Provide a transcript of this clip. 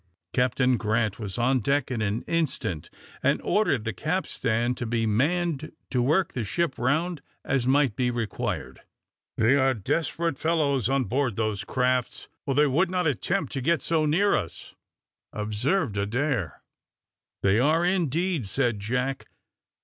Captain Grant was on deck in an instant, and ordered the capstan to be manned to work the ship round as might be required. "They are desperate fellows on board those crafts, or they would not attempt to get so near us," observed Adair. "They are indeed," said Jack.